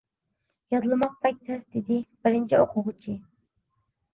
يادلىماق بەك تەس، -دېدى بىرىنچى ئوقۇغۇچى.